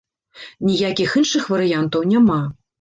Ніякіх іншых варыянтаў няма.